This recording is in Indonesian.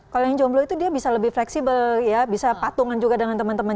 kalau yang jomblo itu dia bisa lebih fleksibel ya bisa patungan juga dengan teman teman